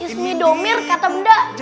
ismi domir kata bunda